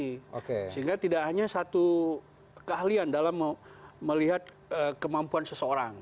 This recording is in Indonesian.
sehingga tidak hanya satu keahlian dalam melihat kemampuan seseorang